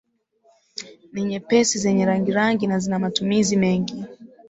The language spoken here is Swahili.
Ni nyepesi zenye rangirangi na zina matumizi mengi